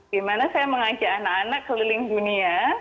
di mana saya mengajak anak anak keliling dunia